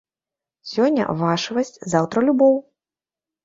Сёння вашывасць, заўтра любоў.